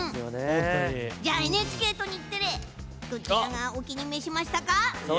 じゃあ、ＮＨＫと日テレどちらがお気に召しましたか？